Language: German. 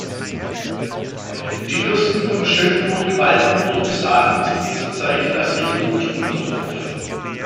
Die Fürsten von Schönburg-Waldenburg besaßen zu dieser Zeit das Rittergut Unterhof.